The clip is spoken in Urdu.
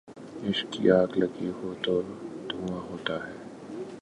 عشق کی آگ لگی ہو تو دھواں ہوتا ہے